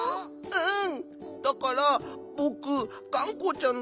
うん！